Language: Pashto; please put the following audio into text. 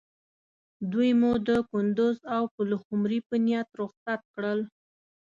دوی مو د کندوز او پلخمري په نیت رخصت کړل.